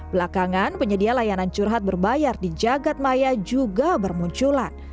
belakangan penyedia layanan curhat berbayar di jagadmaya juga bermunculan